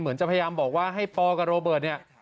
จะพยายามบอกว่าให้ปอกับโรเบิร์ตเนี่ย